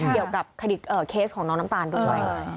เกี่ยวกับเคสของน้องน้ำตาลด้วย